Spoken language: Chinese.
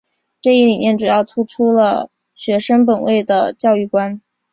这一理念主要突出了学生本位的教育观。